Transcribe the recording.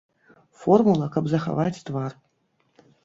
Формула, каб захаваць твар.